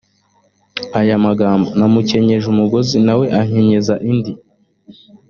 aya magambo namukenyeje umugozi na we ankenyeza indi